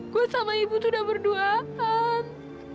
gue sama ibu tuh udah berduaan